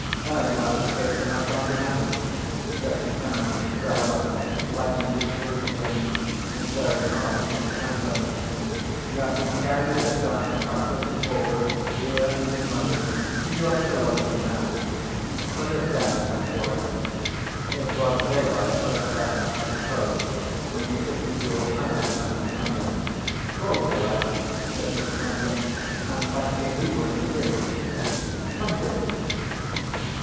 How you have escaped them I can't imagine," says the eminent traveller, lighting his cheroot again, and staring hard at Mr. Franklin. "You have been carrying the Diamond backwards and forwards, here and in London, and you are still a living man! Let us try and account for it. It was daylight, both times, I suppose, when you took the jewel out of the bank in London?" "Broad daylight," says Mr. Franklin. "And plenty of people in the streets?" "Plenty."